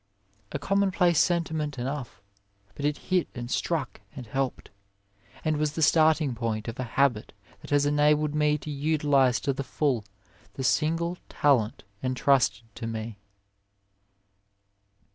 A commonplace sentiment enough, but it hit and stuck and helped, and was the starting point of a habit that has enabled me to utilize to the full the single talent entrusted to me.